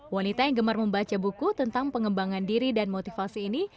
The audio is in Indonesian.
wanita yang gemar membaca buku tentang pengembangan diri dan motivasi ini